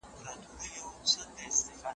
دې خاموش کور ته را روانه اوونۍ ورا راوړمه